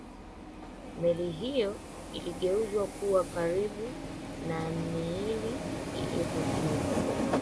meli hiyo iligeuzwa kuwa kaburi la miili iliyopotea